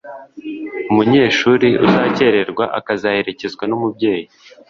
umunyeshuri uzakererwa akazaherekezwa n’umubyeyi